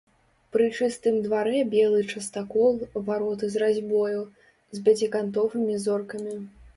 Пры чыстым дварэ белы частакол, вароты з разьбою, з пяцікантовымі зоркамі.